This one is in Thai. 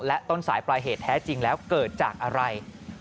และต้นสายปลายเหตุแท้จริงแล้วเกิดจากอะไร